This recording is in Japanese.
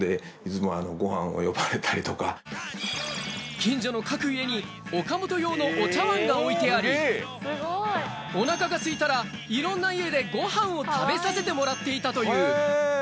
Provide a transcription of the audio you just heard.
近所の各家に岡本用のお茶碗が置いてあり、おなかが空いたらいろんな家でご飯を食べさせてもらっていたという。